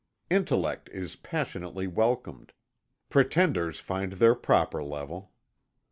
Intellect is passionately welcomed; pretenders find their proper level.